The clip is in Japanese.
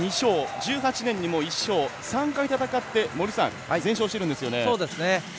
１８年にも１勝３回戦って全勝しているんですよね。